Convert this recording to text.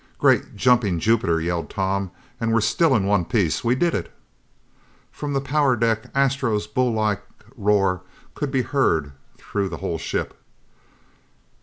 "Great jumping Jupiter," yelled Tom, "and we're still in one piece! We did it!" From the power deck, Astro's bull like roar could be heard through the whole ship.